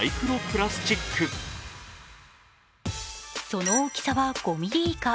その大きさは５ｍｍ以下。